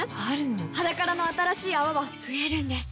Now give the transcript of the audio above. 「ｈａｄａｋａｒａ」の新しい泡は増えるんです